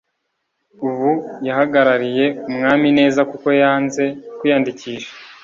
ubu yahagarariye umwami neza kuko yanze kwiyandikisha